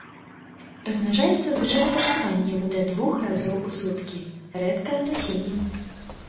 Размнажаецца звычайна пачкаваннем да двух разоў у суткі, рэдка насеннем.